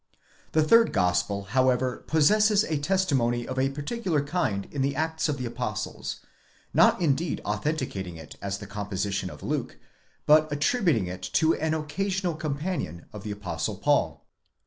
The third Gospel however possesses a testimony of a particular kind in the " Acts of the Apostles ;" not indeed authenticat ing it as the composition of Luke, but attributing it to an occasional com panion of the Apostle Paul.